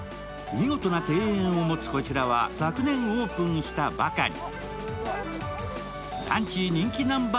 見事な庭園を持つこちらは昨年オープンしたばかり。